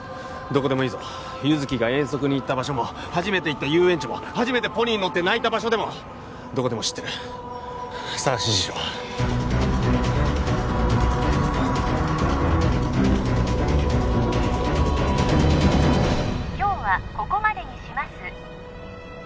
どこでもいいぞ優月が遠足に行った場所も初めて行った遊園地も初めてポニーに乗って泣いた場所でもどこでも知ってるさあ指示しろ今日はここまでにします